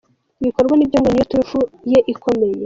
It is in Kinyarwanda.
Ibikorwa nibyo ngo niyo turufu ye ikomeye.